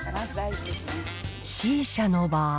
Ｃ社の場合。